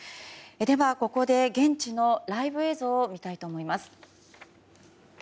では、ここで現地のライブ映像を見たいと思います。